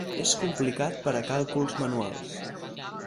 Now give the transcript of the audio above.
És complicat per a càlculs manuals.